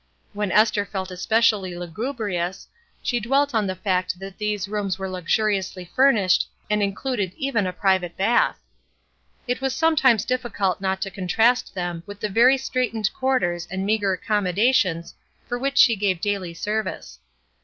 When Esther felt especially lugubrious, she dwelt on the fact that these rooms were luxuriously furnished and included even a private bath. It was sometimes difficult not to contrast them with the very straitened quarters and meagre accommodations for which she gave daily ser vice.